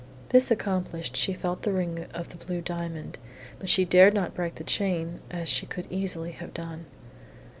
This accomplished, she felt the ring of the blue diamond; but she dared not break the chain, as she could easily have done.